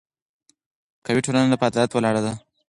قوي ټولنه پر عدالت ولاړه وي